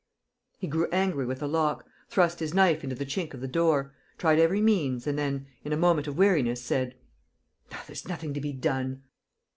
..." He grew angry with the lock, thrust his knife into the chink of the door, tried every means and then, in a moment of weariness, said: "There's nothing to be done!"